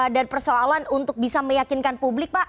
dan persoalan untuk bisa meyakinkan publik pak